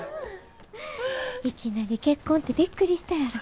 いきなり結婚ってびっくりしたやろ？